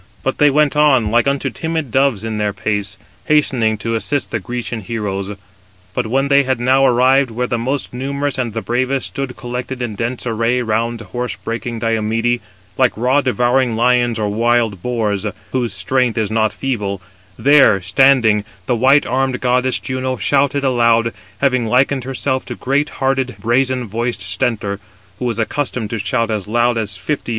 But they went on, like unto timid doves in their pace, hastening to assist the Grecian heroes. But when they had now arrived where the most numerous 231 and the bravest stood collected in dense array round horse breaking Diomede, like raw devouring lions or wild boars, whose strength is not feeble, there standing, the white armed goddess Juno shouted aloud, having likened herself to great hearted, brazen voiced Stentor, who was accustomed to shout as loud as fifty other men: Footnote 230: (return) Opposed to the pure air of æther.